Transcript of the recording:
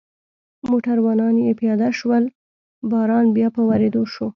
موټروانان یې پیاده شول، باران بیا په ورېدو شو.